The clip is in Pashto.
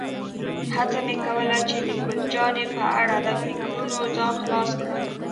هڅه مې کوله چې د ګل جانې په اړه له فکرونو ځان خلاص کړم.